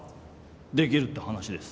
できるって話です。